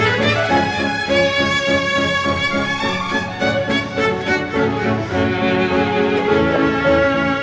tidak mau saling menang